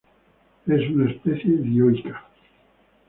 Es una especie dioica.